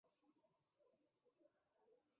王桥路车站列车服务。